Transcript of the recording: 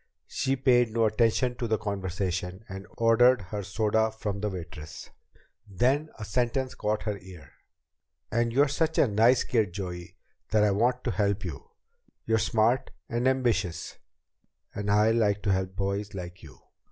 She paid no attention to the conversation, and ordered her soda from the waitress. Then a sentence caught her ear. "... and you're such a nice kid, Joey, that I want to help you. You're smart and ambitious, and I like to help boys like you."